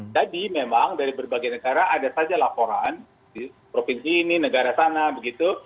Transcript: memang dari berbagai negara ada saja laporan di provinsi ini negara sana begitu